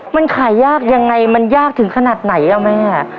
มันขายยากยังไงมันยากถึงขนาดไหนอ่ะแม่